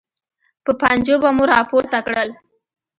په پنجو به مو راپورته کړل.